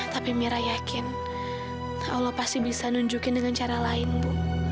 tapi mira yakin allah pasti bisa nunjukin dengan cara lain bu